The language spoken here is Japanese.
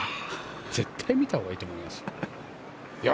絶対見たほうがいいと思いますよ。